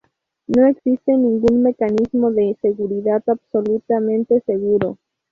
No existe ningún mecanismo de seguridad absolutamente seguro.